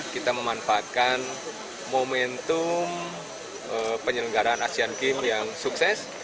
kita memanfaatkan momentum penyelenggaraan asean games yang sukses